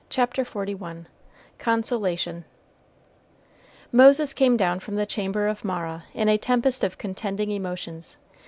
CHAPTER XLI CONSOLATION Moses came down from the chamber of Mara in a tempest of contending emotions.